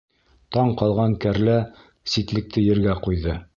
Таң ҡалған кәрлә ситлекте ергә ҡуйҙы.